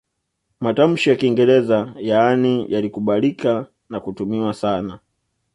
Matamshi ya Kiingereza yaani yalikubalika na kutumiwa sana